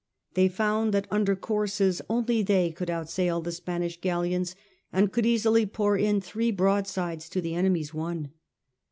They found that under courses only they could outsail the Spanish galleons, and could easily pour in three broadsides to the enemy's one.